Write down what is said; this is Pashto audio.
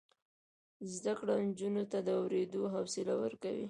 زده کړه نجونو ته د اوریدلو حوصله ورکوي.